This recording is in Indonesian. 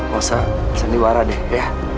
bisa sendiwara deh ya